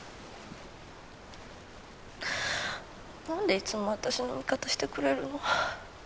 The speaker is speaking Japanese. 何でいつも私の味方してくれるの？